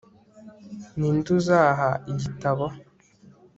ni nde uzaha igitabo